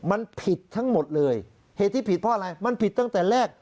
มันผิดทั้งหมดเลยเหตุที่ผิดเพราะอะไรมันผิดตั้งแต่แรก